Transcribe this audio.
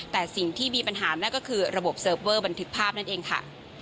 แต่สิ่งที่มีปัญหานั่นก็คือระบบเซิร์ฟเวอร์บันทึกภาพนั่นเองค่ะ